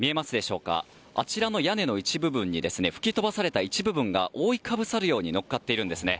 あちらの屋根の一部分に吹き飛ばされた一部分が覆いかぶさるようにのっかっているんですね。